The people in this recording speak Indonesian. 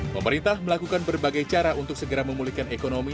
pemerintah melakukan berbagai cara untuk segera memulihkan ekonomi